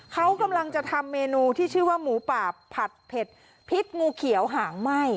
เขากำลังจะทำเมนูที่ชื่อว่าหมูป่าผัดเผ็ดพิษงูเขียวหางไหม้